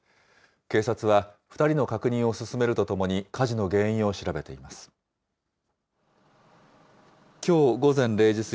警察は、２人の確認を進めるとともに、火事の原因を調べています。